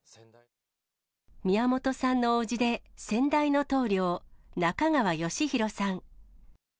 宮本さんの伯父で先代の棟りょう、中川禎浩さん。